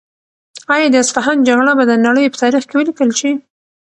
آیا د اصفهان جګړه به د نړۍ په تاریخ کې ولیکل شي؟